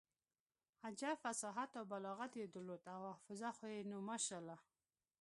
عجب فصاحت او بلاغت يې درلود او حافظه خو يې نو ماشاالله.